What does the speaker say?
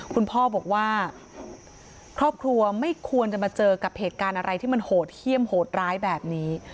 คุณพ่อบอกว่าครอบครัวไม่ควรจะมาเจอกับเหตุการณ์อะไรที่มันโหดเยี่ยมโหดร้ายแบบนี้